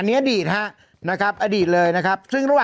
อันนี้อดีตฮะนะครับอดีตเลยนะครับ